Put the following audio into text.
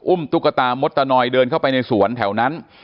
ตุ๊กตามดตะนอยเดินเข้าไปในสวนแถวนั้น